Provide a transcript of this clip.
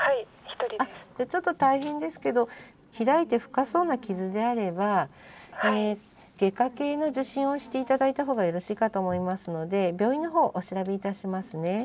じゃあちょっと大変ですけど開いて深そうな傷であれば外科系の受診をして頂いた方がよろしいかと思いますので病院の方お調べいたしますね。